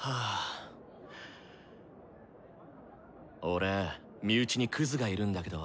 俺身内にクズがいるんだけど。